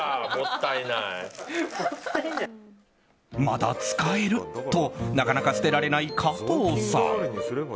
まだ使えるとなかなか捨てられない加藤さん。